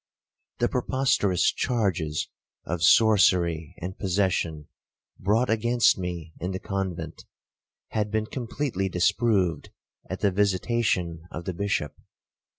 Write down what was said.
The preposterous charges of sorcery and possession, brought against me in the convent, had been completely disproved at the visitation of the Bishop.